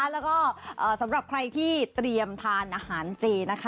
แล้วก็สำหรับใครที่เตรียมทานอาหารเจนะคะ